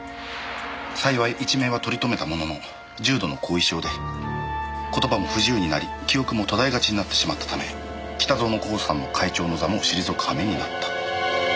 幸い一命は取り留めたものの重度の後遺症で言葉も不自由になり記憶も途絶えがちになってしまったため北薗興産の会長の座も退く羽目になった。